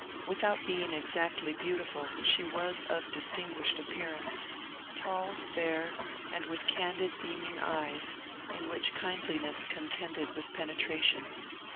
Without being exactly beautiful she was of distin guished appearance, — tall, fair, and with candid beaming eyes, in which kindliness contended with penetration.